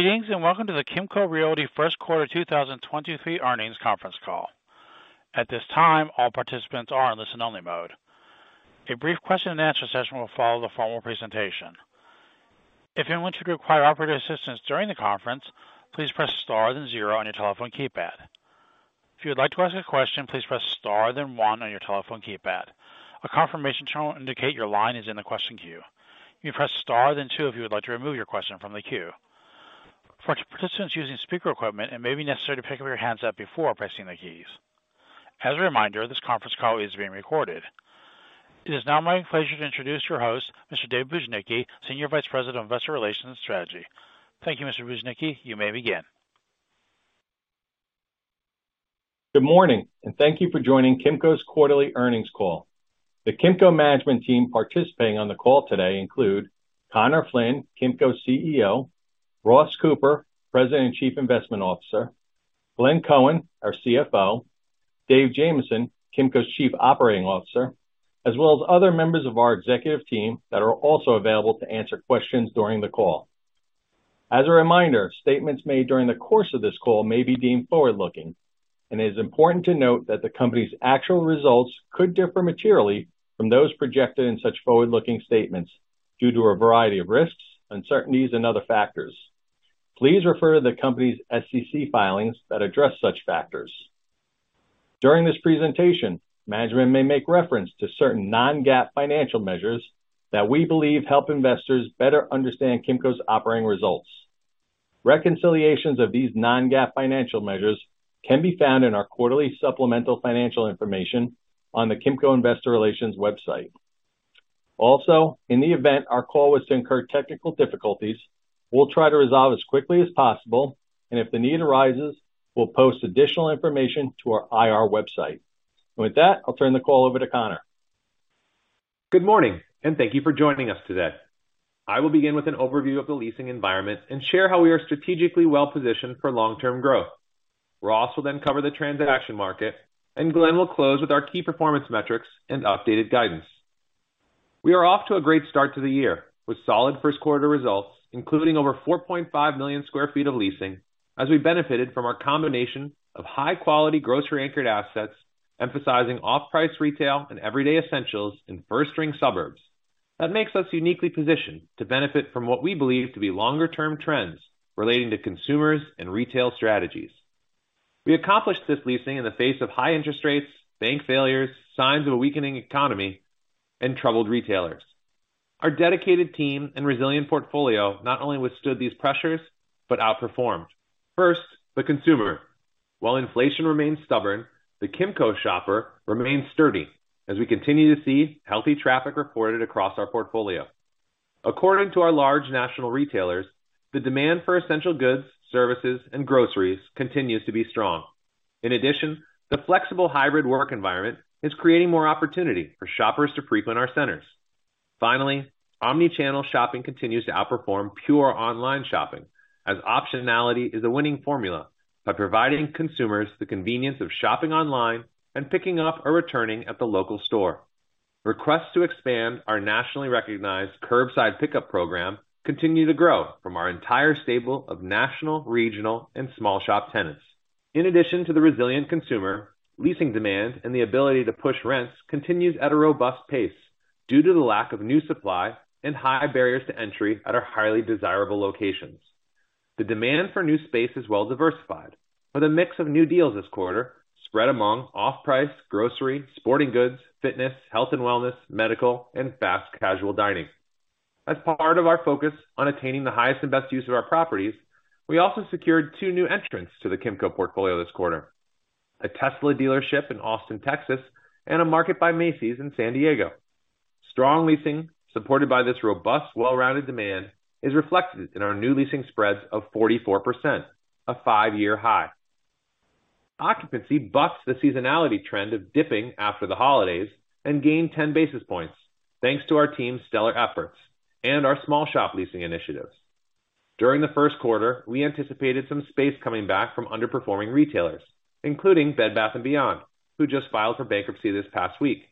Greetings, welcome to the Kimco Realty First Quarter 2023 Earnings Conference Call. At this time, all participants are in listen only mode. A brief question and answer session will follow the formal presentation. If you want to require operator assistance during the conference, please press star then zero on your telephone keypad. If you would like to ask a question, please press star then one on your telephone keypad. A confirmation tone will indicate your line is in the question queue. You may press star then two if you would like to remove your question from the queue. For participants using speaker equipment, it may be necessary to pick up your hands up before pressing the keys. As a reminder, this conference call is being recorded. It is now my pleasure to introduce your host, Mr. David Bujnicki, Senior Vice President of Investor Relations Strategy. Thank you, Mr. Bujnicki. You may begin. Good morning. Thank you for joining Kimco's quarterly earnings call. The Kimco management team participating on the call today include Conor Flynn, Kimco's CEO, Ross Cooper, President and Chief Investment Officer, Glenn Cohen, our CFO, David Jamieson, Kimco's Chief Operating Officer, as well as other members of our executive team that are also available to answer questions during the call. As a reminder, statements made during the course of this call may be deemed forward-looking, and it is important to note that the company's actual results could differ materially from those projected in such forward-looking statements due to a variety of risks, uncertainties, and other factors. Please refer to the company's SEC filings that address such factors. During this presentation, management may make reference to certain Non-GAAP financial measures that we believe help investors better understand Kimco's operating results. Reconciliations of these Non-GAAP financial measures can be found in our quarterly supplemental financial information on the Kimco Investor Relations website. In the event our call was to incur technical difficulties, we'll try to resolve as quickly as possible, and if the need arises, we'll post additional information to our IR website. With that, I'll turn the call over to Conor. Good morning, thank you for joining us today. I will begin with an overview of the leasing environment and share how we are strategically well positioned for long-term growth. Ross will then cover the transaction market; Glenn will close with our key performance metrics and updated guidance. We are off to a great start to the year with solid first quarter results, including over 4.5 million sq ft of leasing as we benefited from our combination of high-quality grocery-anchored assets, emphasizing off-price retail and everyday essentials in first-ring suburbs. That makes us uniquely positioned to benefit from what we believe to be longer term trends relating to consumers and retail strategies. We accomplished this leasing in the face of high interest rates, bank failures, signs of a weakening economy, and troubled retailers. Our dedicated team and resilient portfolio not only withstood these pressures, but outperformed. First, the consumer. While inflation remains stubborn, the Kimco shopper remains sturdy as we continue to see healthy traffic reported across our portfolio. According to our large national retailers, the demand for essential goods, services and groceries continues to be strong. In addition, the flexible hybrid work environment is creating more opportunity for shoppers to frequent our centers. Finally, omni-channel shopping continues to outperform pure online shopping as optionality is a winning formula by providing consumers the convenience of shopping online and picking up or returning at the local store. Requests to expand our nationally recognized curbside pickup program continue to grow from our entire stable of national, regional, and small shop tenants. In addition to the resilient consumer, leasing demand and the ability to push rents continues at a robust pace due to the lack of new supply and high barriers to entry at our highly desirable locations. The demand for new space is well diversified, with a mix of new deals this quarter spread among off-price, grocery, sporting goods, fitness, health and wellness, medical, and fast casual dining. As part of our focus on attaining the highest and best use of our properties, we also secured two new entrants to the Kimco portfolio this quarter. A Tesla dealership in Austin, Texas, and a Market by Macy's in San Diego. Strong leasing, supported by this robust, well-rounded demand, is reflected in our new leasing spreads of 44%, a five-year high. Occupancy bucks the seasonality trend of dipping after the holidays and gained 10 basis points thanks to our team's stellar efforts and our small shop leasing initiatives. During the first quarter, we anticipated some space coming back from underperforming retailers, including Bed Bath & Beyond, who just filed for bankruptcy this past week.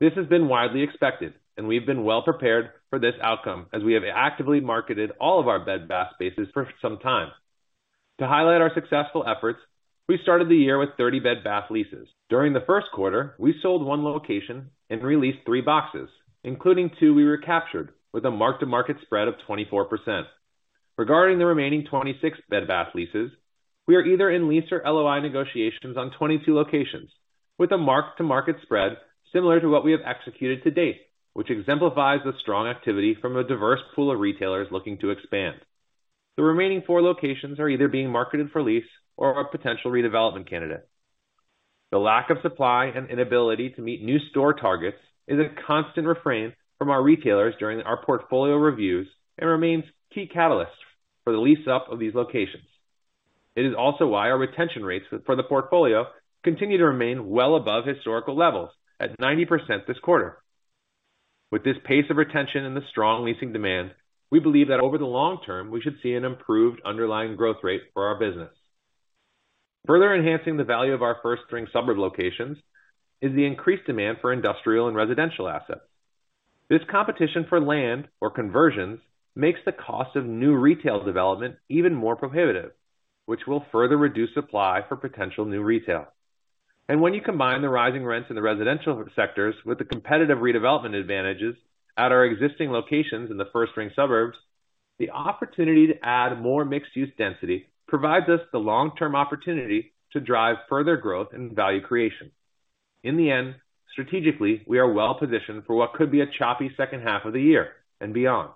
This has been widely expected, and we've been well prepared for this outcome as we have actively marketed all of our Bed Bath spaces for some time. To highlight our successful efforts, we started the year with 30 Bed Bath leases. During the first quarter, we sold one location and released three boxes, including two we recaptured with a mark-to-market spread of 24%. Regarding the remaining 26 Bed Bath leases, we are either in lease or LOI negotiations on 22 locations with a mark-to-market spread similar to what we have executed to date, which exemplifies the strong activity from a diverse pool of retailers looking to expand. The remaining four locations are either being marketed for lease or a potential redevelopment candidate. The lack of supply and inability to meet new store targets is a constant refrain from our retailers during our portfolio reviews and remains key catalyst for the lease up of these locations. It is also why our retention rates for the portfolio continue to remain well above historical levels at 90% this quarter. With this pace of retention and the strong leasing demand, we believe that over the long term, we should see an improved underlying growth rate for our business. Further enhancing the value of our first-ring suburb locations is the increased demand for industrial and residential assets. This competition for land or conversions makes the cost of new retail development even more prohibitive, which will further reduce supply for potential new retail. When you combine the rising rents in the residential sectors with the competitive redevelopment advantages at our existing locations in the first-ring suburbs, the opportunity to add more mixed-use density provides us the long-term opportunity to drive further growth and value creation. In the end, strategically, we are well-positioned for what could be a choppy second half of the year and beyond.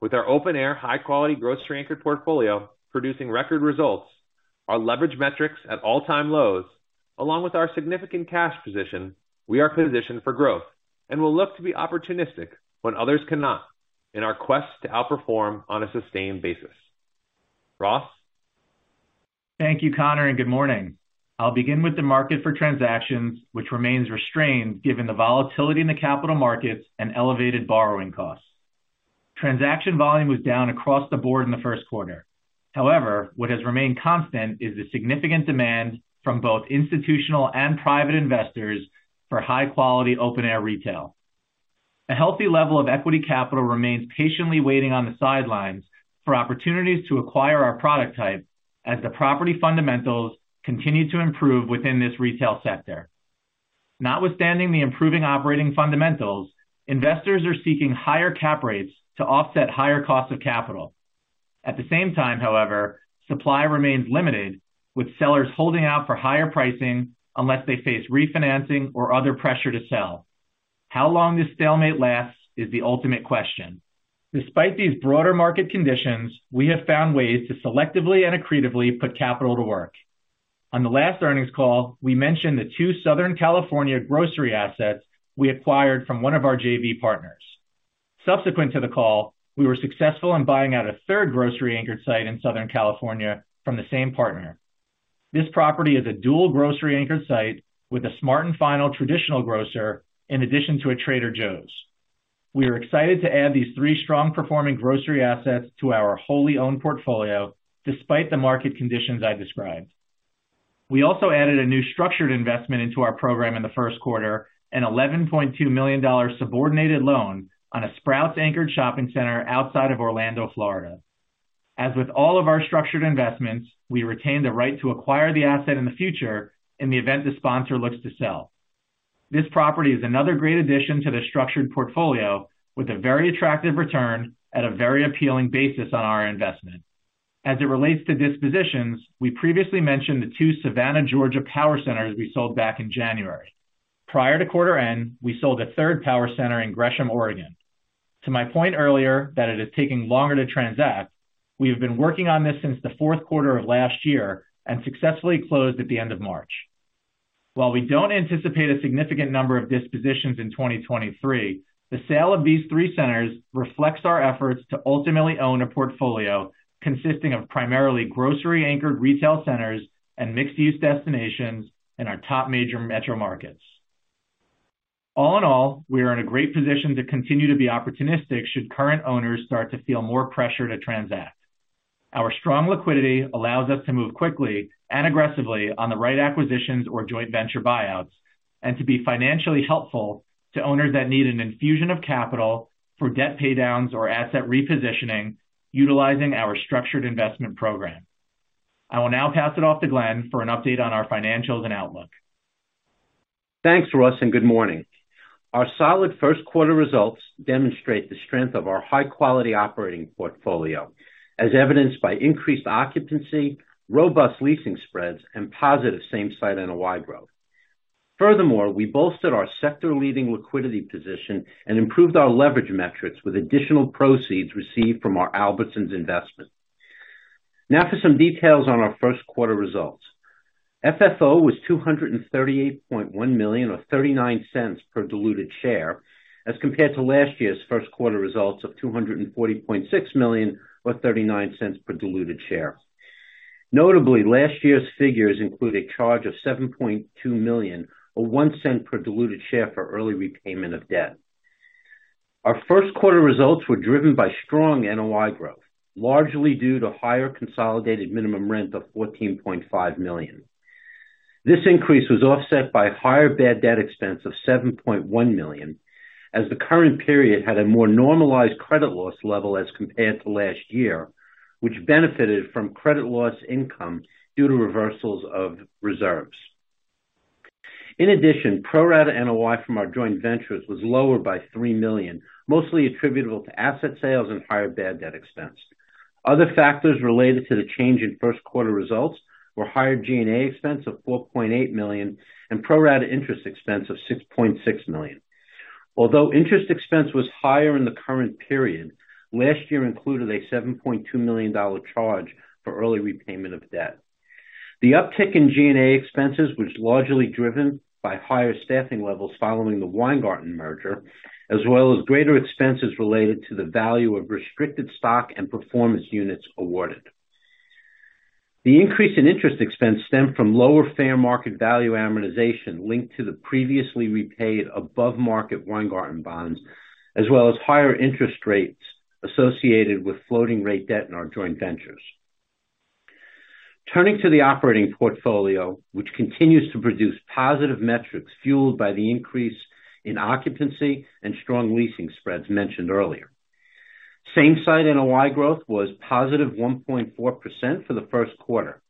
With our open air high quality grocery anchored portfolio producing record results, our leverage metrics at all-time lows, along with our significant cash position, we are positioned for growth, and will look to be opportunistic when others cannot in our quest to outperform on a sustained basis. Ross? Thank you, Conor, good morning. I'll begin with the market for transactions, which remains restrained given the volatility in the capital markets and elevated borrowing costs. Transaction volume was down across the board in the first quarter. However, what has remained constant is the significant demand from both institutional and private investors for high quality open air retail. A healthy level of equity capital remains patiently waiting on the sidelines for opportunities to acquire our product type as the property fundamentals continue to improve within this retail sector. Notwithstanding the improving operating fundamentals, investors are seeking higher cap rates to offset higher costs of capital. At the same time, however, supply remains limited, with sellers holding out for higher pricing unless they face refinancing or other pressure to sell. How long this stalemate lasts is the ultimate question. Despite these broader market conditions, we have found ways to selectively and accretively put capital to work. On the last earnings call, we mentioned the two Southern California grocery assets we acquired from one of our JV partners. Subsequent to the call, we were successful in buying out a third grocery anchored site in Southern California from the same partner. This property is a dual grocery anchored site with a Smart & Final traditional grocer in addition to a Trader Joe's. We are excited to add these three strong performing grocery assets to our wholly owned portfolio despite the market conditions I described. We also added a new structured investment into our program in the first quarter, an $11.2 million subordinated loan on a Sprouts anchored shopping center outside of Orlando, Florida. As with all of our structured investments, we retain the right to acquire the asset in the future in the event the sponsor looks to sell. This property is another great addition to the structured portfolio with a very attractive return at a very appealing basis on our investment. As it relates to dispositions, we previously mentioned the two Savannah, Georgia power centers we sold back in January. Prior to quarter end, we sold a third power center in Gresham, Oregon. To my point earlier that it is taking longer to transact, we have been working on this since the fourth quarter of last year and successfully closed at the end of March. While we don't anticipate a significant number of dispositions in 2023, the sale of these three centers reflects our efforts to ultimately own a portfolio consisting of primarily grocery anchored retail centers and mixed use destinations in our top major metro markets. All in all, we are in a great position to continue to be opportunistic should current owners start to feel more pressure to transact. Our strong liquidity allows us to move quickly and aggressively on the right acquisitions or joint venture buyouts, and to be financially helpful to owners that need an infusion of capital for debt pay downs or asset repositioning utilizing our structured investment program. I will now pass it off to Glenn for an update on our financials and outlook. Thanks, Ross. Good morning. Our solid first quarter results demonstrate the strength of our high quality operating portfolio, as evidenced by increased occupancy, robust leasing spreads, and positive Same Property NOI growth. Furthermore, we bolstered our sector leading liquidity position and improved our leverage metrics with additional proceeds received from our Albertsons' investment. To some details on our first quarter results. FFO was $238.1 million or $0.39 per diluted share as compared to last year's first quarter results of $240.6 million or $0.39 per diluted share. Notably, last year's figures include a charge of $7.2 million or $0.01 per diluted share for early repayment of debt. Our first quarter results were driven by strong NOI growth, largely due to higher consolidated minimum rent of $14.5 million. This increase was offset by higher bad debt expense of $7.1 million as the current period had a more normalized credit loss level as compared to last year, which benefited from credit loss income due to reversals of reserves. Pro rata NOI from our joint ventures was lower by $3 million, mostly attributable to asset sales and higher bad debt expense. Other factors related to the change in first quarter results were higher G&A expense of $4.8 million and pro rata interest expense of $6.6 million. Interest expense was higher in the current period, last year included a $7.2 million charge for early repayment of debt. The uptick in G&A expenses was largely driven by higher staffing levels following the Weingarten merger, as well as greater expenses related to the value of restricted stock and performance units awarded. The increase in interest expense stemmed from lower fair market value amortization linked to the previously repaid above market Weingarten bonds, as well as higher interest rates associated with floating rate debt in our joint ventures. Turning to the operating portfolio, which continues to produce positive metrics fueled by the increase in occupancy and strong leasing spreads mentioned earlier. Same-site NOI growth was positive 1.4% for the first quarter.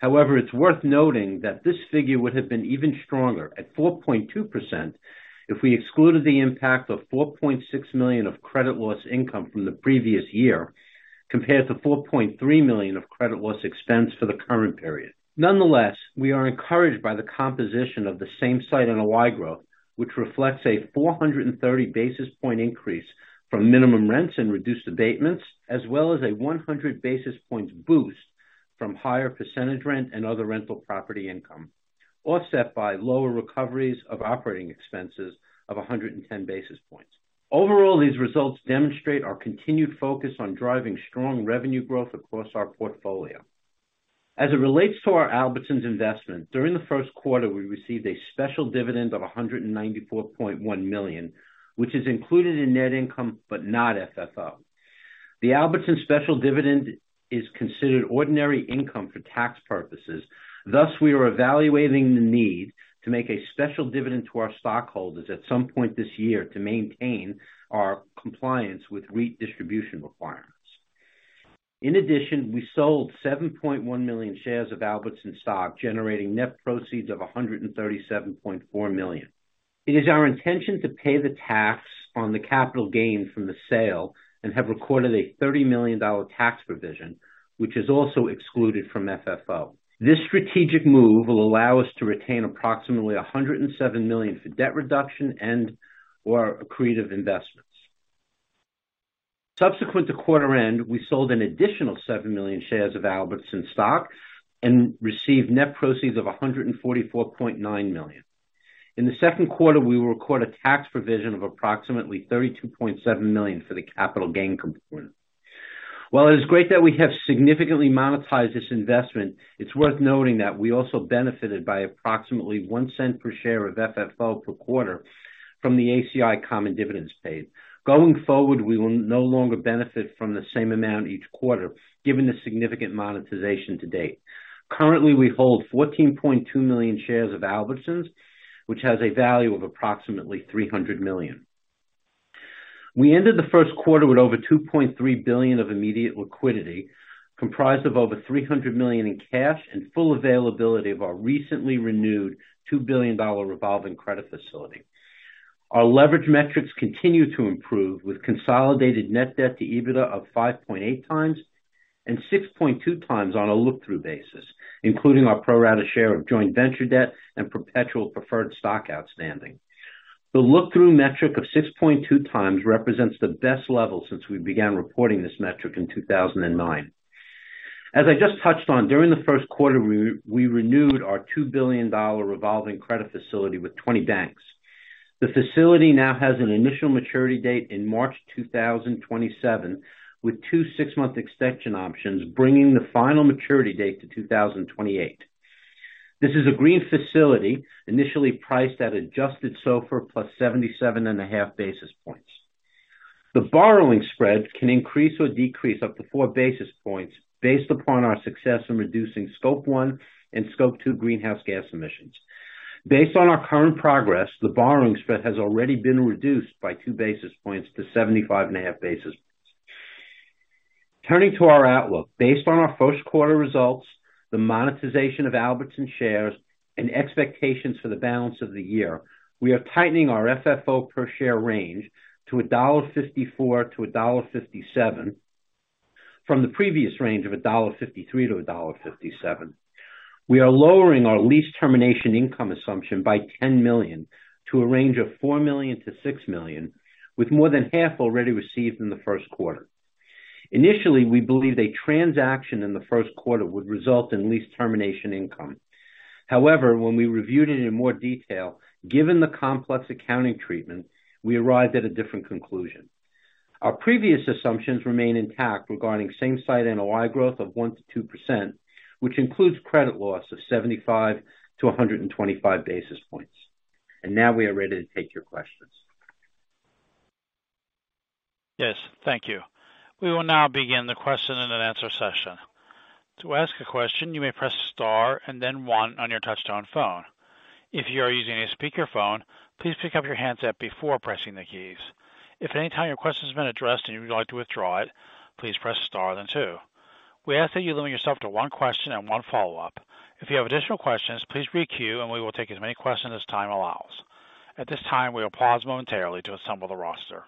However, it's worth noting that this figure would have been even stronger at 4.2% if we excluded the impact of $4.6 million of credit loss income from the previous year compared to $4.3 million of credit loss expense for the current period. Nonetheless, we are encouraged by the composition of the same site NOI growth, which reflects a 430 basis point increase from minimum rents and reduced abatements, as well as a 100 basis points boost from higher percentage rent and other rental property income, offset by lower recoveries of operating expenses of 110 basis points. These results demonstrate our continued focus on driving strong revenue growth across our portfolio. As it relates to our Albertsons investment, during the first quarter, we received a special dividend of $194.1 million, which is included in net income, but not FFO. The Albertsons special dividend is considered ordinary income for tax purposes. We are evaluating the need to make a special dividend to our stockholders at some point this year to maintain our compliance with REIT distribution requirements. In addition, we sold 7.1 million shares of Albertsons stock, generating net proceeds of $137.4 million. It is our intention to pay the tax on the capital gain from the sale and have recorded a $30 million tax provision, which is also excluded from FFO. This strategic move will allow us to retain approximately $107 million for debt reduction and or accretive investments. Subsequent to quarter end, we sold an additional 7 million shares of Albertsons stock and received net proceeds of $144.9 million. In the second quarter, we will record a tax provision of approximately $32.7 million for the capital gain component. While it is great that we have significantly monetized this investment, it's worth noting that we also benefited by approximately $0.01 per share of FFO per quarter from the ACI common dividends paid. Going forward, we will no longer benefit from the same amount each quarter given the significant monetization to date. Currently, we hold 14.2 million shares of Albertsons, which has a value of approximately $300 million. We ended the first quarter with over $2.3 billion of immediate liquidity, comprised of over $300 million in cash and full availability of our recently renewed $2 billion revolving credit facility. Our leverage metrics continue to improve with consolidated net debt to EBITDA of 5.8 times and 6.2 times on a look-through basis, including our pro rata share of joint venture debt and perpetual preferred stock outstanding. The look-through metric of 6.2 times represents the best level since we began reporting this metric in 2009. As I just touched on, during the first quarter, we renewed our $2 billion revolving credit facility with 20 banks. The facility now has an initial maturity date in March 2027, with two six-month extension options, bringing the final maturity date to 2028. This is a green facility initially priced at adjusted SOFR plus 77.5 basis points. The borrowing spread can increase or decrease up to four basis points based upon our success in reducing Scope 1 and Scope 2 greenhouse gas emissions. Based on our current progress, the borrowing spread has already been reduced by two basis points to 75.5 basis points. Turning to our outlook. Based on our first quarter results, the monetization of Albertsons shares and expectations for the balance of the year, we are tightening our FFO per share range to $1.54-$1.57 from the previous range of $1.53-$1.57. We are lowering our lease termination income assumption by $10 million to a range of $4 million-$6 million, with more than half already received in the first quarter. Initially, we believed a transaction in the first quarter would result in lease termination income. When we reviewed it in more detail, given the complex accounting treatment, we arrived at a different conclusion. Our previous assumptions remain intact regarding Same Property NOI growth of 1%-2%, which includes credit loss of 75-125 basis points. Now we are ready to take your questions. Yes, thank you. We will now begin the question and answer session. To ask a question, you may press star then one on your touch-tone phone. If you are using a speakerphone, please pick up your handset before pressing the keys. If at any time your question has been addressed and you would like to withdraw it, please press star then two. We ask that you limit yourself to one question and one follow-up. If you have additional questions, please queue, we will take as many questions as time allows. At this time, we will pause momentarily to assemble the roster.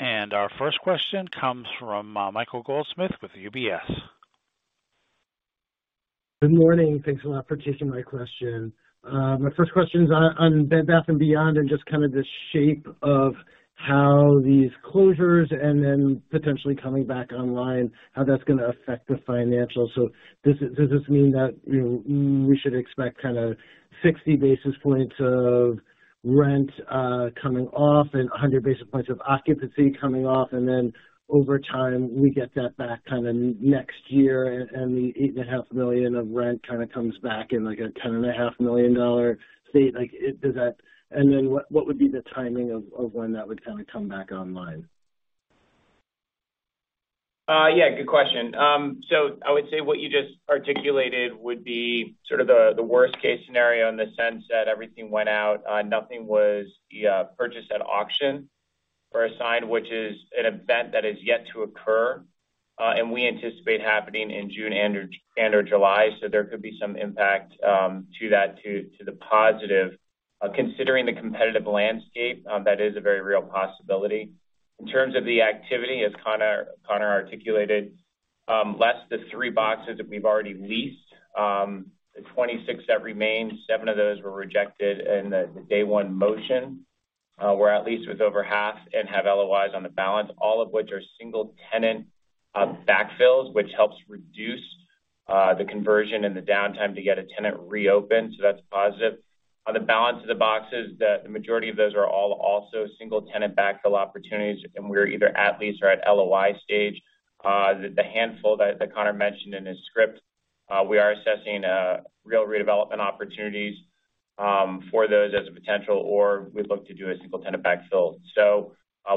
Our first question comes from Michael Goldsmith with UBS. Good morning. Thanks a lot for taking my question. My first question is on Bed Bath & Beyond and just kind of the shape of how these closures and then potentially coming back online, how that's going to affect the financials. Does this mean that, you know, we should expect kind of 60 basis points of rent coming off and 100 basis points of occupancy coming off, and then over time, we get that back kind of next year and the $8.5 million of rent kind of comes back in like a $10.5 million state? What would be the timing of when that would kind of come back online? Yeah, good question. I would say what you just articulated would be sort of the worst case scenario in the sense that everything went out, nothing was, yeah, purchased at auction or assigned, which is an event that is yet to occur, and we anticipate happening in June and or July. There could be some impact to that, to the positive. Considering the competitive landscape, that is a very real possibility. In terms of the activity, as Conor articulated, less the three boxes that we've already leased, the 26 that remain, seven of those were rejected in the Day one motion. We're at lease with over half and have LOIs on the balance, all of which are single tenant backfills, which helps reduce the conversion and the downtime to get a tenant reopened. That's positive. On the balance of the boxes, the majority of those are all also single tenant backfill opportunities, and we're either at lease or at LOI stage. The handful that Conor mentioned in his script, we are assessing real redevelopment opportunities for those as a potential, or we'd look to do a single tenant backfill.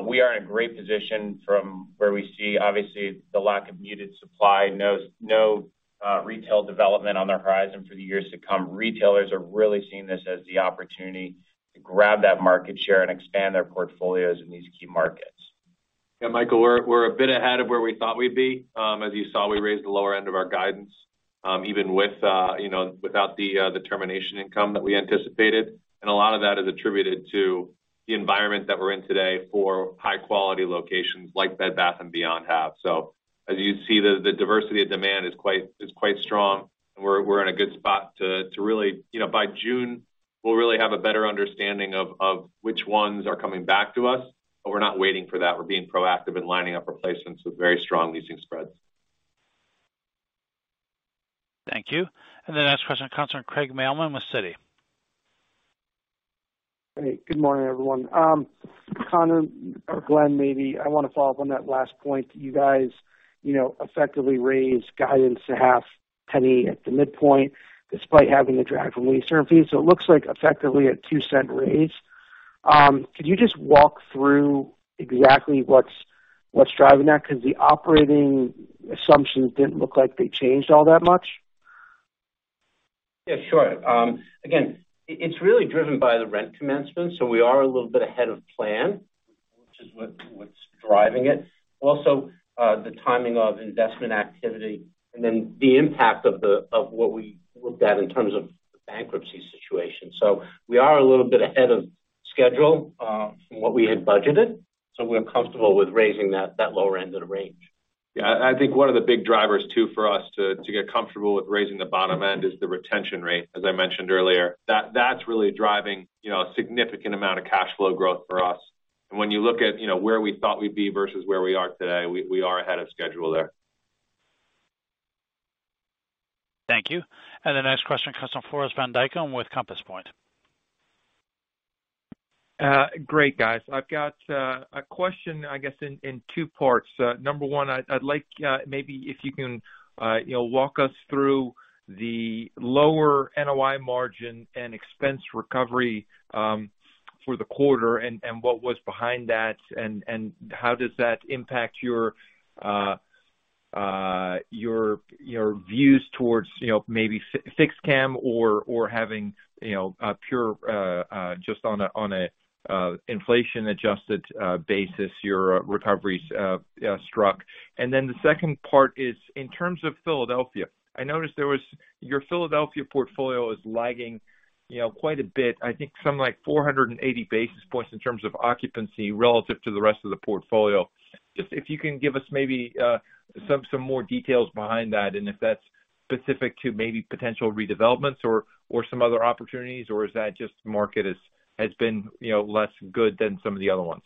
We are in a great position from where we see obviously the lack of muted supply. No retail development on the horizon for the years to come. Retailers are really seeing this as the opportunity to grab that market share and expand their portfolios in these key markets. Yeah, Michael, we're a bit ahead of where we thought we'd be. As you saw, we raised the lower end of our guidance, even with, you know, without the termination income that we anticipated. A lot of that is attributed to the environment that we're in today for high quality locations like Bed Bath & Beyond have. As you see, the diversity of demand is quite strong, and we're in a good spot. You know, by June, we'll really have a better understanding of which ones are coming back to us. We're not waiting for that. We're being proactive in lining up replacements with very strong leasing spreads. Thank you. The next question comes from Craig Mailman with Citi. Hey, good morning, everyone. Conor or Glenn, maybe I wanna follow up on that last point. You guys, you know, effectively raised guidance a half penny at the midpoint despite having the drag from lease term fees. It looks like effectively a $0.02 raise. Could you just walk through exactly what's driving that? The operating assumptions didn't look like they changed all that much. Yeah, sure. It's really driven by the rent commencement, so we are a little bit ahead of plan, which is what's driving it, also the timing of investment activity, and then the impact of what we looked at in terms of the bankruptcy situation. We are a little bit ahead of schedule, from what we had budgeted, so we're comfortable with raising that lower end of the range. Yeah. I think one of the big drivers too for us to get comfortable with raising the bottom end is the retention rate, as I mentioned earlier. That's really driving, you know, a significant amount of cash flow growth for us. When you look at, you know, where we thought we'd be versus where we are today, we are ahead of schedule there. Thank you. The next question comes from Floris van Dijkum with Compass Point. Great, guys. I've got a question, I guess in two parts. Number one, I'd like maybe if you can, you know, walk us through the lower NOI margin and expense recovery for the quarter and what was behind that and how does that impact your views towards, you know, maybe fixed CAM or having, you know, a pure just on an inflation adjusted basis, your recoveries struck? The second part is, in terms of Philadelphia, I noticed there was your Philadelphia portfolio is lagging, you know, quite a bit. I think something like 480 basis points in terms of occupancy relative to the rest of the portfolio? Just if you can give us maybe, some more details behind that, and if that's specific to maybe potential redevelopments or some other opportunities, or is that just market has been, you know, less good than some of the other ones?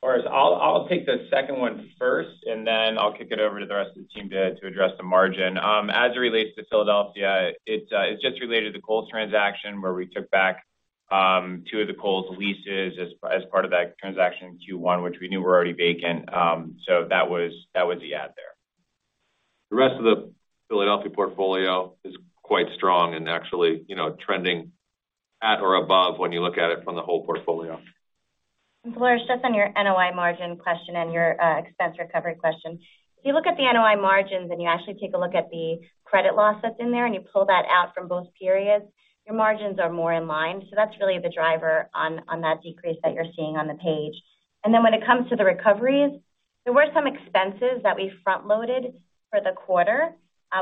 Floris, I'll take the second one first, then I'll kick it over to the rest of the team to address the margin. As it relates to Philadelphia, it's just related to the Kohl's transaction where we took back two of the Kohl's leases as part of that transaction in Q1, which we knew were already vacant. That was the add there. The rest of the Philadelphia portfolio is quite strong and actually, you know, trending at or above when you look at it from the whole portfolio. Floris, just on your NOI margin question and your expense recovery question. If you look at the NOI margins and you actually take a look at the credit loss that's in there and you pull that out from both periods, your margins are more in line. That's really the driver on that decrease that you're seeing on the page. When it comes to the recoveries, there were some expenses that we front loaded for the quarter.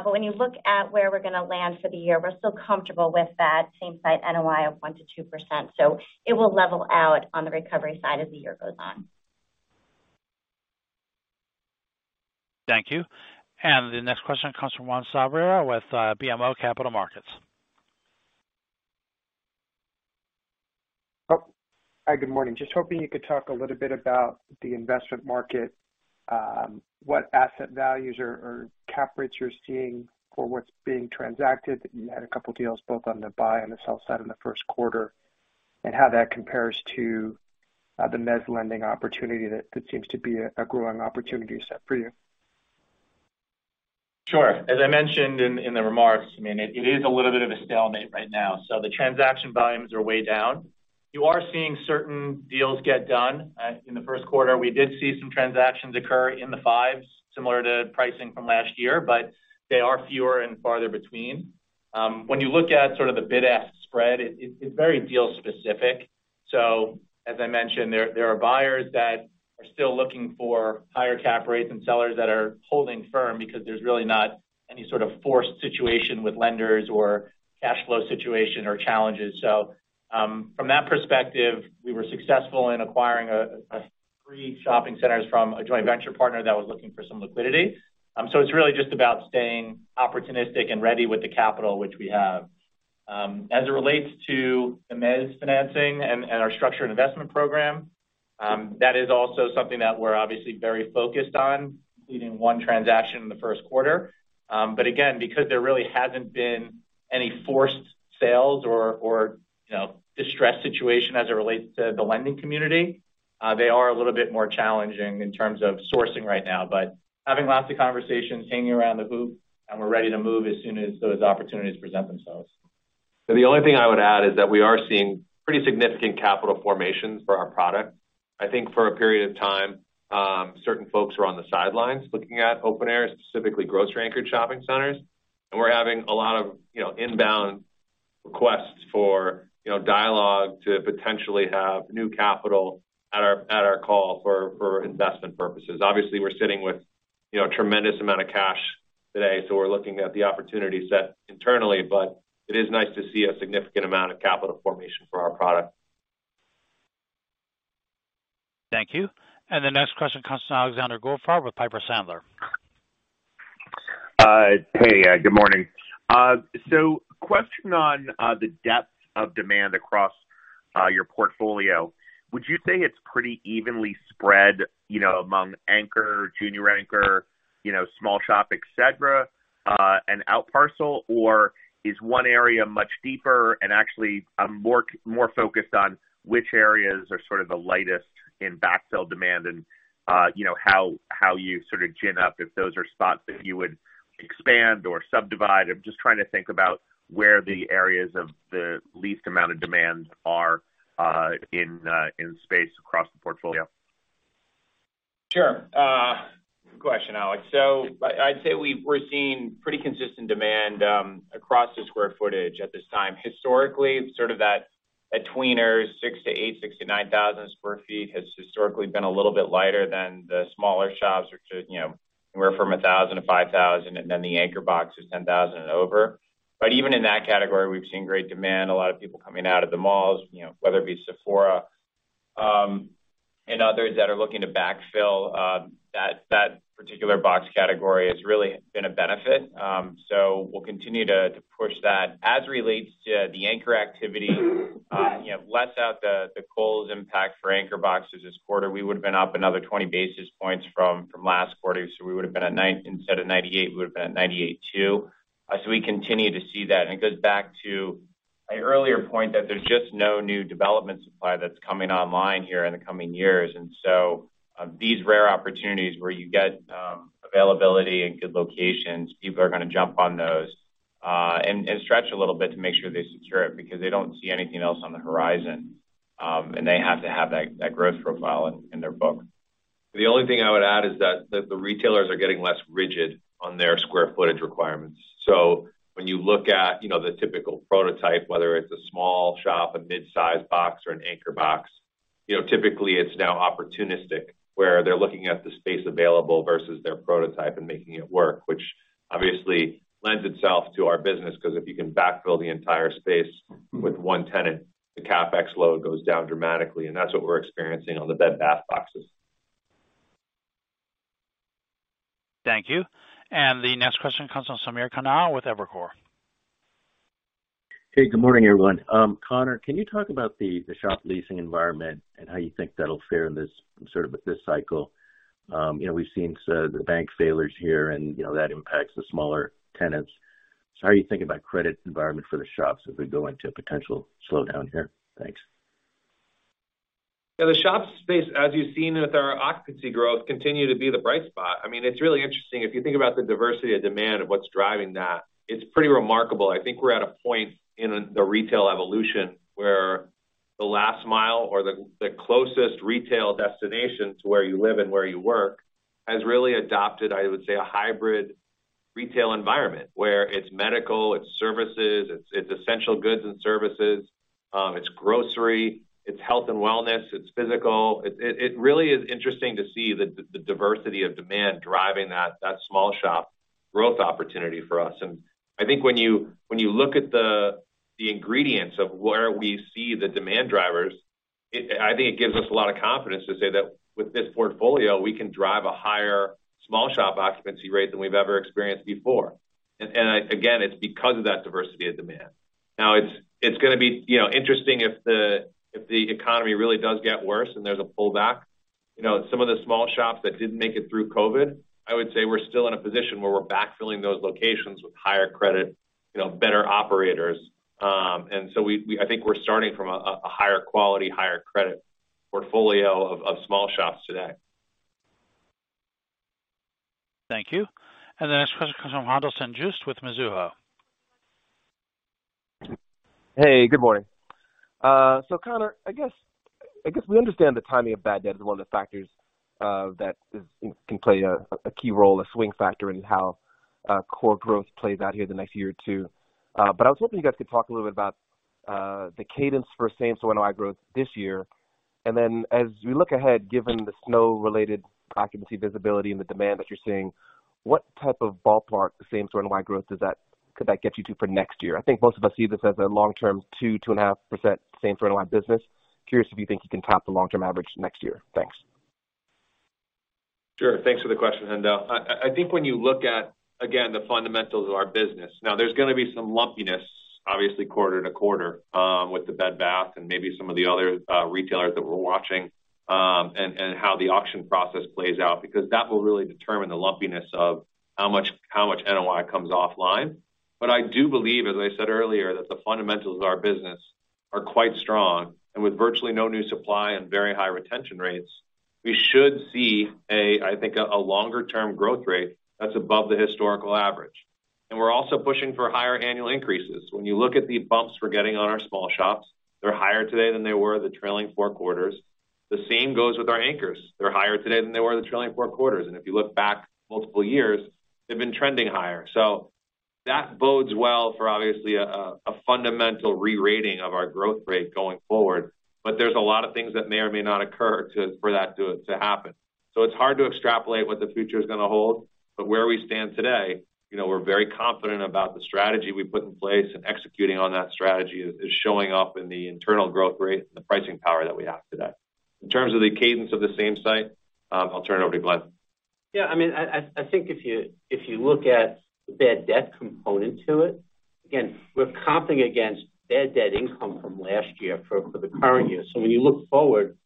When you look at where we're gonna land for the year, we're still comfortable with that Same Property NOI of 1%-2%. It will level out on the recovery side as the year goes on. Thank you. The next question comes from Juan Sanabria with BMO Capital Markets. Oh. Hi, good morning. Just hoping you could talk a little bit about the investment market, what asset values or cap rates you're seeing for what's being transacted. You had a couple deals both on the buy and the sell side in the first quarter. How that compares to the mezz lending opportunity that seems to be a growing opportunity set for you. Sure. As I mentioned in the remarks, I mean, it is a little bit of a stalemate right now. The transaction volumes are way down. You are seeing certain deals get done. In the first quarter, we did see some transactions occur in the fives, similar to pricing from last year, but they are fewer and farther between. When you look at sort of the bid-ask spread, it's very deal specific. As I mentioned, there are buyers that are still looking for higher cap rates and sellers that are holding firm because there's really not any sort of forced situation with lenders or cash flow situation or challenges. From that perspective, we were successful in acquiring three shopping centers from a joint venture partner that was looking for some liquidity. It's really just about staying opportunistic and ready with the capital which we have. As it relates to the mezz financing and our structured investment program, that is also something that we're obviously very focused on, including one transaction in the first quarter. Again, because there really hasn't been any forced sales or, you know, distressed situation as it relates to the lending community, they are a little bit more challenging in terms of sourcing right now. Having lots of conversations hanging around the hoop, and we're ready to move as soon as those opportunities present themselves. The only thing I would add is that we are seeing pretty significant capital formations for our product. I think for a period of time, certain folks were on the sidelines looking at open areas, specifically grocery-anchored shopping centers. We're having a lot of, you know, inbound requests for, you know, dialogue to potentially have new capital at our call for investment purposes. Obviously, we're sitting with, you know, a tremendous amount of cash today, so we're looking at the opportunity set internally. It is nice to see a significant amount of capital formation for our product. Thank you. The next question comes from Alexander Goldfarb with Piper Sandler. Hey, good morning. Question on the depth of demand across your portfolio? Would you say it's pretty evenly spread, you know, among anchor, junior anchor, you know, small shop, et cetera, and out parcel? Or is one area much deeper? Actually, I'm more focused on which areas are sort of the lightest in backfill demand and, you know, how you sort of gin up if those are spots that you would expand or subdivide. I'm just trying to think about where the areas of the least amount of demand are in space across the portfolio. Sure. Good question, Alex. I'd say we're seeing pretty consistent demand across the square footage at this time. Historically, sort of that betweeners 6,000-8,000, 6,000-9,000 sq ft has historically been a little bit lighter than the smaller shops, which is, you know, anywhere from 1,000-5,000, and then the anchor box is 10,000 and over. Even in that category, we've seen great demand. A lot of people coming out of the malls, you know, whether it be Sephora and others that are looking to backfill that particular box category has really been a benefit. We'll continue to push that. As it relates to the anchor activity, you know, less out the Kohl's impact for anchor boxes this quarter, we would have been up another 20 basis points from last quarter. We would have been at instead of 98, we would have been at 98 too. We continue to see that. It goes back to an earlier point that there's just no new development supply that's coming online here in the coming years. These rare opportunities where you get availability and good locations, people are gonna jump on those and stretch a little bit to make sure they secure it because they don't see anything else on the horizon, and they have to have that growth profile in their book. The only thing I would add is that the retailers are getting less rigid on their square footage requirements. When you look at, you know, the typical prototype, whether it's a small shop, a mid-size box, or an anchor box, you know, typically it's now opportunistic, where they're looking at the space available versus their prototype and making it work, which obviously lends itself to our business. 'Cause if you can backfill the entire space with one tenant, the CapEx load goes down dramatically, and that's what we're experiencing on the Bed Bath boxes. Thank you. The next question comes from Samir Khanal with Evercore. Hey, good morning, everyone. Conor, can you talk about the shop leasing environment and how you think that'll fare in this sort of this cycle? you know, we've seen the bank failures here, and, you know, that impacts the smaller tenants. how are you thinking about credit environment for the shops as we go into a potential slowdown here? Thanks. Yeah, the shop space, as you've seen with our occupancy growth, continue to be the bright spot. I mean, it's really interesting. If you think about the diversity of demand of what's driving that, it's pretty remarkable. I think we're at a point in the retail evolution where the last mile or the closest retail destination to where you live and where you work has really adopted, I would say, a hybrid retail environment where it's medical, it's services, it's essential goods and services, it's grocery, it's health and wellness, it's physical. It really is interesting to see the diversity of demand driving that small shop growth opportunity for us. I think when you, when you look at the ingredients of where we see the demand drivers, I think it gives us a lot of confidence to say that with this portfolio, we can drive a higher small shop occupancy rate than we've ever experienced before. Again, it's because of that diversity of demand. It's gonna be, you know, interesting if the, if the economy really does get worse and there's a pullback. You know, some of the small shops that didn't make it through COVID, I would say we're still in a position where we're backfilling those locations with higher credit, you know, better operators. I think we're starting from a higher quality, higher credit portfolio of small shops today. Thank you. The next question comes from Haendel St. Juste with Mizuho. Hey, good morning. Conor, I guess, I guess we understand the timing of bad debt is one of the factors that can play a key role, a swing factor in how core growth plays out here the next year or two. I was hoping you guys could talk a little bit about the cadence for same-store NOI growth this year. As we look ahead, given the snow-related occupancy visibility and the demand that you're seeing, what type of ballpark same-store NOI growth could that get you to for next year? I think most of us see this as a long-term 2%, 2.5% same-store NOI business. Curious if you think you can top the long-term average next year. Thanks. Sure. Thanks for the question, Haendel. I think when you look at, again, the fundamentals of our business. There's gonna be some lumpiness, obviously quarter to quarter, with the Bed Bath and maybe some of the other retailers that we're watching, and how the auction process plays out, because that will really determine the lumpiness of how much NOI comes offline. I do believe, as I said earlier, that the fundamentals of our business are quite strong. With virtually no new supply and very high retention rates, we should see a, I think a longer term growth rate that's above the historical average. We're also pushing for higher annual increases. When you look at the bumps we're getting on our small shops, they're higher today than they were the trailing four quarters. The same goes with our anchors. They're higher today than they were the trailing four quarters. If you look back multiple years, they've been trending higher. That bodes well for obviously a fundamental re-rating of our growth rate going forward. There's a lot of things that may or may not occur for that to happen. It's hard to extrapolate what the future is gonna hold. Where we stand today, you know, we're very confident about the strategy we put in place, and executing on that strategy is showing up in the internal growth rate and the pricing power that we have today. In terms of the cadence of the same site, I'll turn it over to Glenn. Yeah, I mean, I think if you look at the bad debt component to it, again, we're comping against bad debt income from last year for the current year. When you look forward,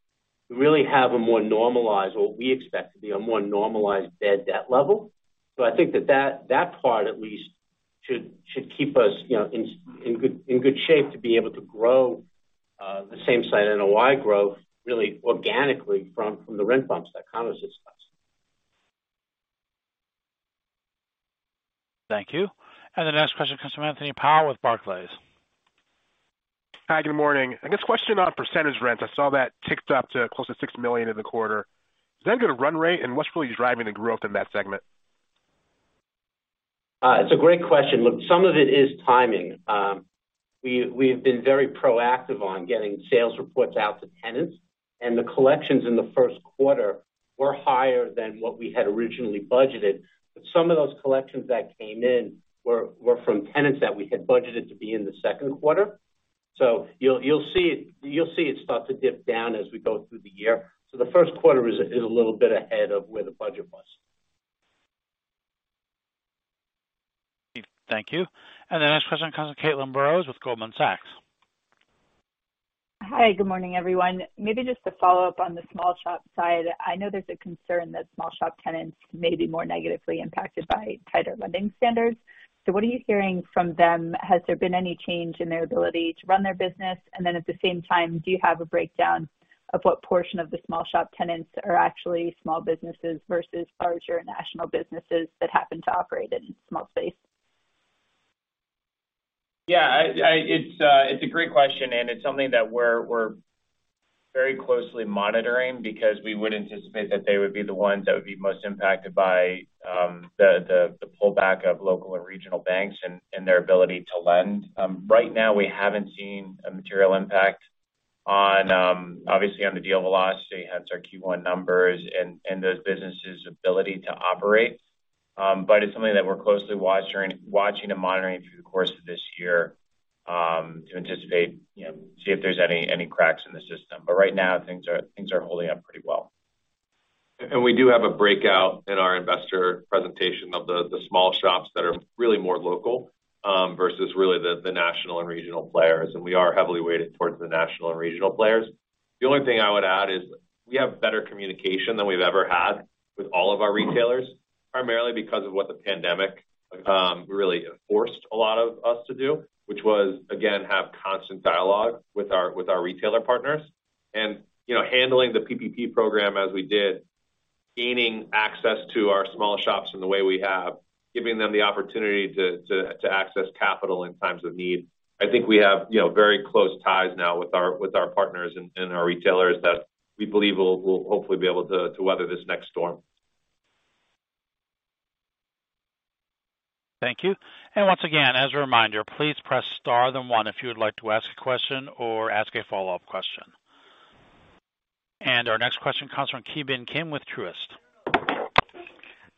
we really have a more normalized, or we expect to be a more normalized bad debt level. I think that part at least should keep us, you know, in good shape to be able to grow the Same Property NOI growth really organically from the rent bumps that Conor discussed. Thank you. The next question comes from Anthony Powell with Barclays. Hi, good morning. I guess question on percentage rent? I saw that ticked up to close to $6 million in the quarter. Does that get a run rate? What's really driving the growth in that segment? It's a great question. Look, some of it is timing. We have been very proactive on getting sales reports out to tenants. The collections in the first quarter were higher than what we had originally budgeted. Some of those collections that came in were from tenants that we had budgeted to be in the second quarter. You'll see it start to dip down as we go through the year. The first quarter is a little bit ahead of where the budget was. Thank you. The next question comes from Caitlin Burrows with Goldman Sachs. Hi, good morning, everyone. Maybe just to follow up on the small shop side. I know there's a concern that small shop tenants may be more negatively impacted by tighter lending standards. What are you hearing from them? Has there been any change in their ability to run their business? At the same time, do you have a breakdown of what portion of the small shop tenants are actually small businesses versus larger national businesses that happen to operate in small space? Yeah, it's a great question, and it's something that we're very closely monitoring because we would anticipate that they would be the ones that would be most impacted by the pullback of local and regional banks and their ability to lend. Right now, we haven't seen a material impact on obviously on the deal velocity, hence our Q1 numbers and those businesses' ability to operate. But it's something that we're closely watching and monitoring through the course of this year, to anticipate, you know, see if there's any cracks in the system. But right now, things are holding up pretty well. We do have a breakout in our investor presentation of the small shops that are really more local versus really the national and regional players. We are heavily weighted towards the national and regional players. The only thing I would add is we have better communication than we've ever had with all of our retailers, primarily because of what the pandemic really forced a lot of us to do, which was, again, have constant dialogue with our retailer partners. You know, handling the PPP program as we did, gaining access to our smaller shops in the way we have, giving them the opportunity to access capital in times of need. I think we have, you know, very close ties now with our partners and our retailers that we believe will hopefully be able to weather this next storm. Thank you. Once again, as a reminder, please press star then one if you would like to ask a question or ask a follow-up question. Our next question comes from Ki Bin Kim with Truist.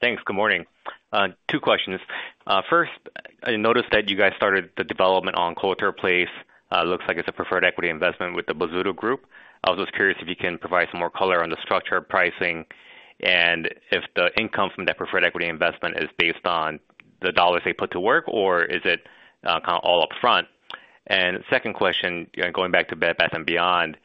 Thanks. Good morning. Two questions. First, I noticed that you guys started the development on Coulter Place. Looks like it's a preferred equity investment with The Bozzuto Group. I was just curious if you can provide some more color on the structure pricing, and if the income from that preferred equity investment is based on the dollars they put to work, or is it, kind of all upfront? Second question, you know, going back to Bed Bath & Beyond.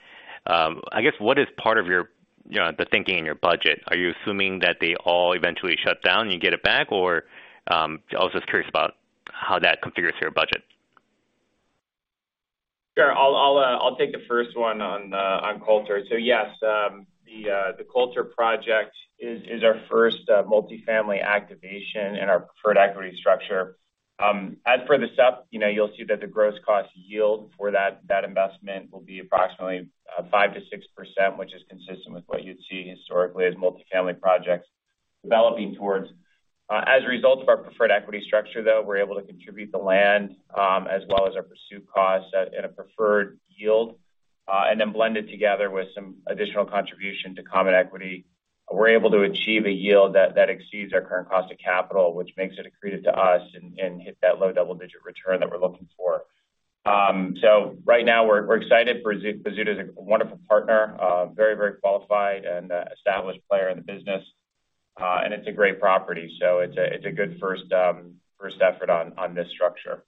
I guess what is part of your, you know, the thinking in your budget? Are you assuming that they all eventually shut down, you get it back? Or, I was just curious about how that configures your budget. I'll take the first one on Coulter. Yes, the Coulter project is our first multifamily activation in our preferred equity structure. As for the cap rate, you know, you'll see that the gross cost yield for that investment will be approximately 5%-6%, which is consistent with what you'd see historically as multifamily projects developing towards. As a result of our preferred equity structure, though, we're able to contribute the land, as well as our pursuit costs at a preferred yield, and then blend it together with some additional contribution to common equity. We're able to achieve a yield that exceeds our current cost of capital, which makes it accretive to us and hit that low double-digit return that we're looking for. Right now we're excited. Bozzuto's a wonderful partner, very qualified and established player in the business. It's a great property, it's a good first effort on this structure.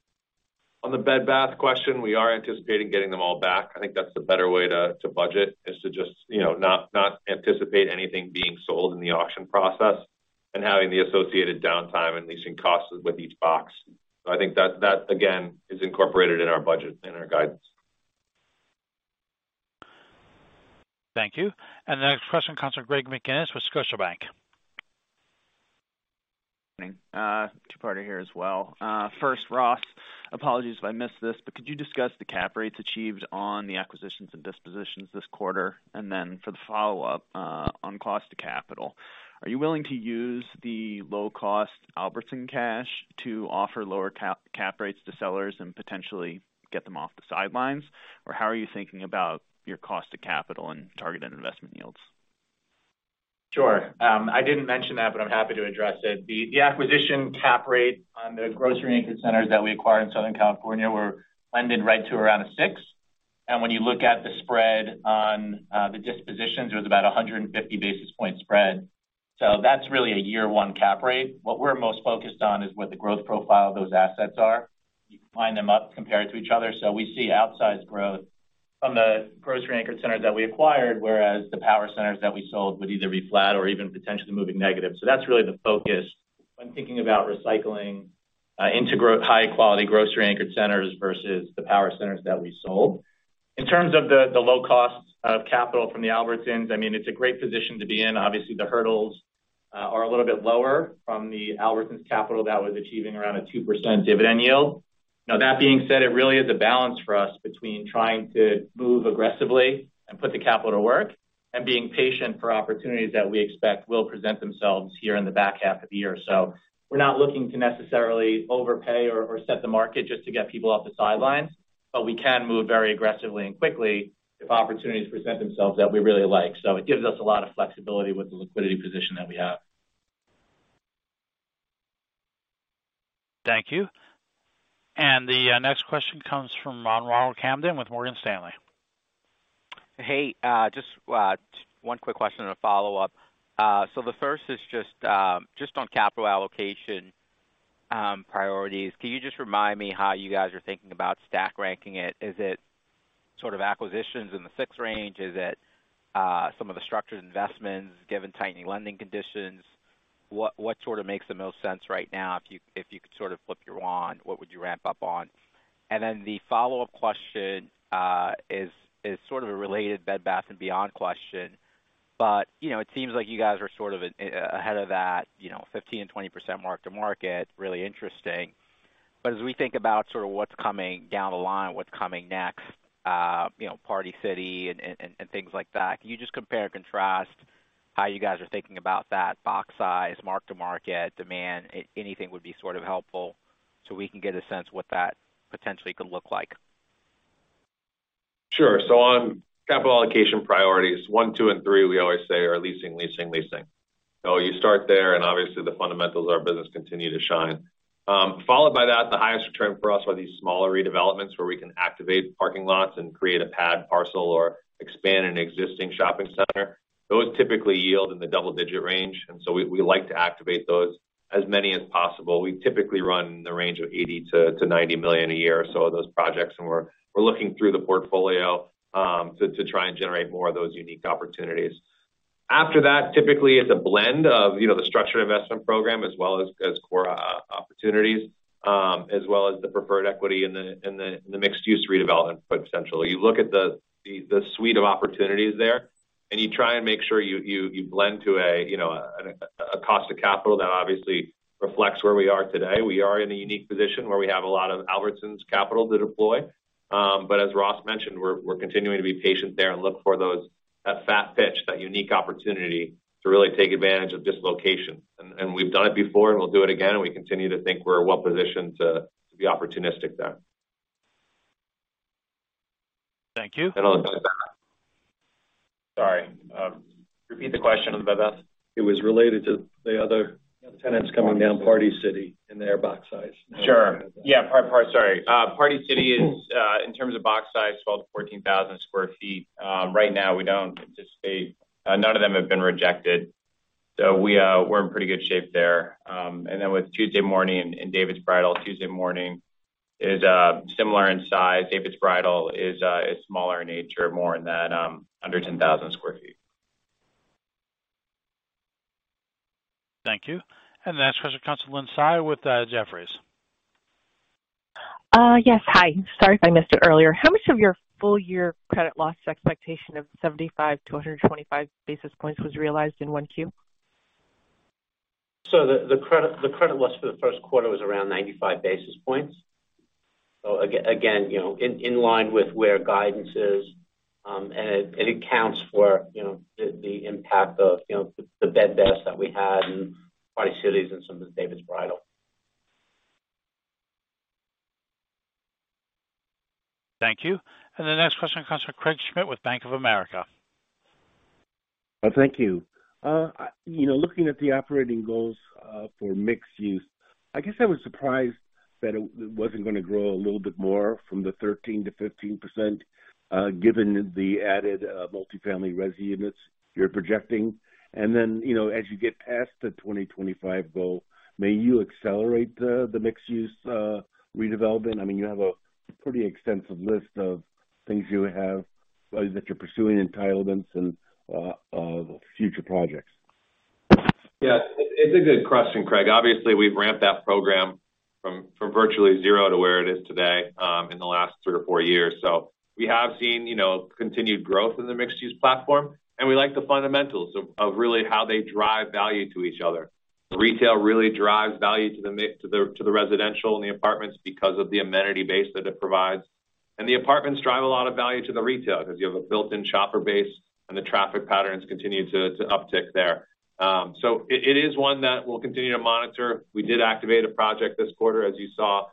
On the Bed Bath question, we are anticipating getting them all back. I think that's the better way to budget, is to just, you know, not anticipate anything being sold in the auction process and having the associated downtime and leasing costs with each box. I think that again, is incorporated in our budget, in our guidance. Thank you. The next question comes from Greg McGinniss with Scotiabank. Good morning. two-parter here as well. First, Ross, apologies if I missed this, but could you discuss the cap rates achieved on the acquisitions and dispositions this quarter? For the follow-up, on cost to capital, are you willing to use the low-cost Albertsons cash to offer lower cap rates to sellers and potentially get them off the sidelines? How are you thinking about your cost to capital and targeted investment yields? Sure. I didn't mention that, but I'm happy to address it. The acquisition cap rate on the grocery-anchored centers that we acquired in Southern California were blended right to around a six. When you look at the spread on the dispositions, it was about a 150 basis point spread. That's really a year one cap rate. What we're most focused on is what the growth profile of those assets are. You can line them up compared to each other. We see outsized growth from the grocery-anchored centers that we acquired, whereas the power centers that we sold would either be flat or even potentially moving negative. That's really the focus when thinking about recycling into high-quality grocery-anchored centers versus the power centers that we sold. In terms of the low cost of capital from the Albertsons, I mean, it's a great position to be in. Obviously, the hurdles are a little bit lower from the Albertsons capital that was achieving around a 2% dividend yield. Now, that being said, it really is a balance for us between trying to move aggressively and put the capital to work and being patient for opportunities that we expect will present themselves here in the back half of the year. We're not looking to necessarily overpay or set the market just to get people off the sidelines, but we can move very aggressively and quickly if opportunities present themselves that we really like. It gives us a lot of flexibility with the liquidity position that we have. Thank you. The next question comes from Ronald Kamdem with Morgan Stanley. Just one quick question and a follow-up. The first is just on capital allocation priorities. Can you just remind me how you guys are thinking about stack ranking it? Is it sort of acquisitions in the six range? Is it some of the structured investments given tightening lending conditions? What sort of makes the most sense right now if you could sort of flip your wand, what would you ramp up on? The follow-up question is sort of a related Bed Bath & Beyond question. You know, it seems like you guys are sort of ahead of that, you know, 15%-20% mark-to-market. Really interesting. As we think about sort of what's coming down the line, what's coming next, you know, Party City and things like that, can you just compare and contrast how you guys are thinking about that box size, mark-to-market, demand? Anything would be sort of helpful, so we can get a sense what that potentially could look like. On capital allocation priorities, one, two, and three, we always say are leasing, leasing. You start there, and obviously the fundamentals of our business continue to shine. Followed by that, the highest return for us are these smaller redevelopments where we can activate parking lots and create a pad parcel or expand an existing shopping center. Those typically yield in the double-digit range, and so we like to activate those as many as possible. We typically run in the range of $80 million-$90 million a year or so of those projects, and we're looking through the portfolio to try and generate more of those unique opportunities. After that, typically, it's a blend of, you know, the structured investment program as well as core opportunities, as well as the preferred equity and the mixed-use redevelopment book, essentially. You look at the suite of opportunities there, and you try and make sure you blend to a, you know, a cost of capital that obviously reflects where we are today. We are in a unique position where we have a lot of Albertsons capital to deploy. As Ross mentioned, we're continuing to be patient there and look for that fat pitch, that unique opportunity to really take advantage of this location. We've done it before, and we'll do it again, and we continue to think we're well positioned to be opportunistic there. Thank you. on Bed Bath? Sorry. Repeat the question on Bed Bath. It was related to the other tenants coming down Party City and their box size. Sure. Yeah. Sorry. Party City is in terms of box size, 12,000-14,000 sq ft. Right now, we don't anticipate. None of them have been rejected, so we're in pretty good shape there. Then with Tuesday Morning and David's Bridal, Tuesday Morning is similar in size. David's Bridal is smaller in nature, more in that under 10,000 sq ft. Thank you. The next question comes from Lynn Tsai with Jefferies. Yes. Hi. Sorry if I missed it earlier. How much of your full year credit loss expectation of 75-125 basis points was realized in 1Q? The credit loss for the first quarter was around 95 basis points. Again, you know, in line with where guidance is. And it counts for, you know, the impact of, you know, the Bed Bath that we had in Party Cities and some of the David's Bridal. Thank you. The next question comes from Craig Schmidt with Bank of America. Thank you. You know, looking at the operating goals for mixed use, I guess I was surprised that it wasn't gonna grow a little bit more from the 13%-15%, given the added multifamily resi-units you're projecting. You know, as you get past the 2025 goal, may you accelerate the mixed use redevelopment. I mean, you have a pretty extensive list of things you have that you're pursuing entitlements and future projects. Yeah. It's a good question, Craig. Obviously, we've ramped that program from virtually zero to where it is today, in the last three or four years. We have seen, you know, continued growth in the mixed use platform, and we like the fundamentals of really how they drive value to each other. The retail really drives value to the residential and the apartments because of the amenity base that it provides. The apartments drive a lot of value to the retail because you have a built-in shopper base and the traffic patterns continue to uptick there. It is one that we'll continue to monitor. We did activate a project this quarter, as you saw.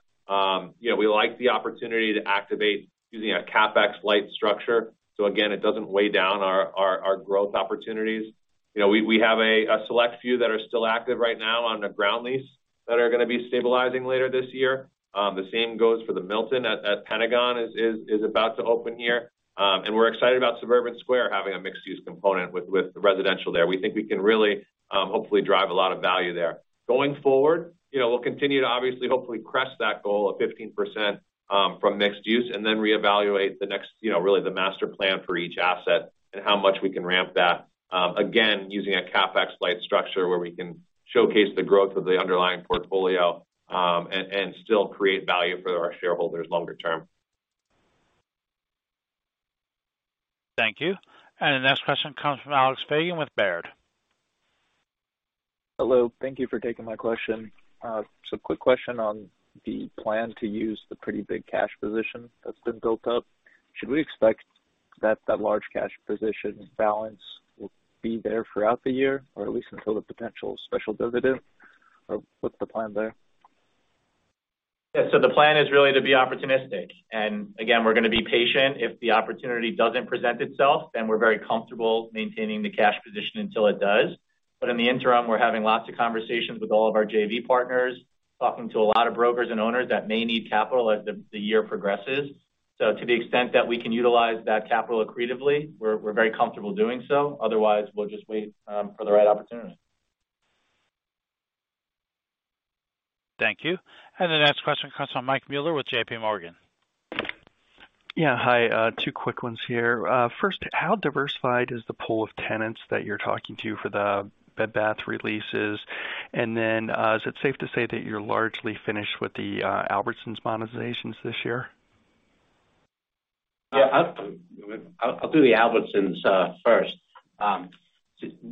You know, we like the opportunity to activate using a CapEx light structure. Again, it doesn't weigh down our growth opportunities. You know, we have a select few that are still active right now on a ground lease that are gonna be stabilizing later this year. The same goes for The Milton at Pentagon is about to open here. We're excited about Suburban Square having a mixed use component with the residential there. We think we can really, hopefully drive a lot of value there. Going forward, you know, we'll continue to obviously, hopefully crest that goal of 15%, from mixed use and then reevaluate the next, you know, really the master plan for each asset and how much we can ramp that, again, using a CapEx light structure where we can showcase the growth of the underlying portfolio, and still create value for our shareholders longer term. Thank you. The next question comes from Alex Fagan with Baird. Hello. Thank you for taking my question. Quick question on the plan to use the pretty big cash position that's been built up. Should we expect that that large cash position balance will be there throughout the year or at least until the potential special dividend? What's the plan there? Yeah. The plan is really to be opportunistic. Again, we're gonna be patient. If the opportunity doesn't present itself, we're very comfortable maintaining the cash position until it does. In the interim, we're having lots of conversations with all of our JV partners, talking to a lot of brokers and owners that may need capital as the year progresses. To the extent that we can utilize that capital accretively, we're very comfortable doing so. Otherwise, we'll just wait for the right opportunity. Thank you. The next question comes from Mike Mueller with J.P. Morgan. Yeah. Hi. Two quick ones here. First, how diversified is the pool of tenants that you're talking to for the Bed Bath releases? Is it safe to say that you're largely finished with the Albertsons monetizations this year? Yeah. I'll do the Albertsons first.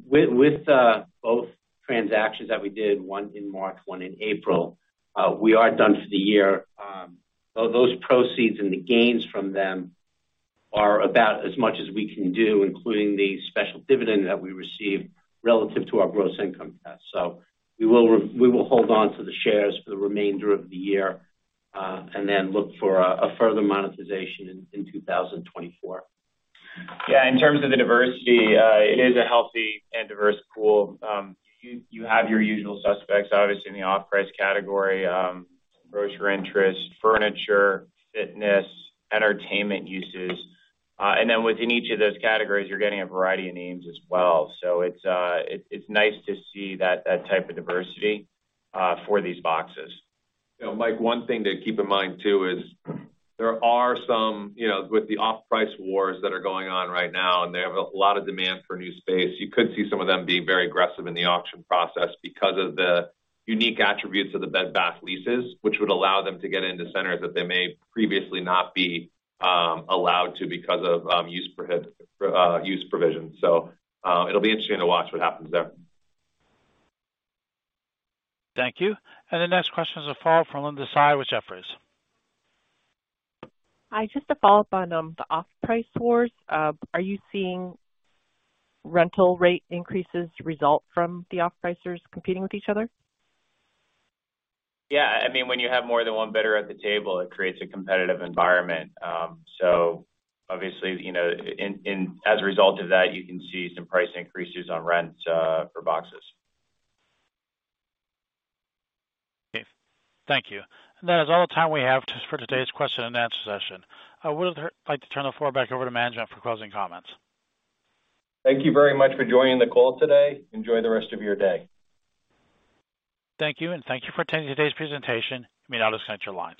With both transactions that we did, one in March, one in April, we are done for the year. Those proceeds and the gains from them are about as much as we can do, including the special dividend that we received relative to our gross income test. We will hold on to the shares for the remainder of the year, and then look for a further monetization in 2024. In terms of the diversity, it is a healthy and diverse pool. You, you have your usual suspects, obviously in the off-price category, grocery interest, furniture, fitness, entertainment uses. And then within each of those categories, you're getting a variety of names as well. It's, it's nice to see that type of diversity for these boxes. You know, Mike, one thing to keep in mind, too, is there are some, you know, with the off-price wars that are going on right now, and they have a lot of demand for new space. You could see some of them being very aggressive in the auction process because of the unique attributes of the Bed Bath leases, which would allow them to get into centers that they may previously not be allowed to because of use provisions. it'll be interesting to watch what happens there. Thank you. The next question is a follow-up from Linda Tsai with Jefferies. Hi. Just to follow up on the off-price wars. Are you seeing rental rate increases result from the off-pricers competing with each other? Yeah. I mean, when you have more than one bidder at the table, it creates a competitive environment. Obviously, you know, as a result of that, you can see some price increases on rent, for boxes. Okay. Thank you. That is all the time we have just for today's question and answer session. I would like to turn the floor back over to management for closing comments. Thank you very much for joining the call today. Enjoy the rest of your day. Thank you, thank you for attending today's presentation. You may now disconnect your line.